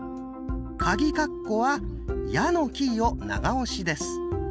カギカッコは「や」のキーを長押しです。